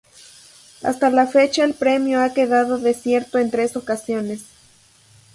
Hasta la fecha el premio ha quedado desierto en tres ocasiones.